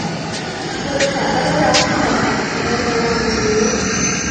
คุณจะได้รับข่าวสำคัญในเร็ววันนี้